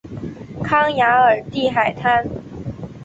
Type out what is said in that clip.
康雅尔蒂海滩。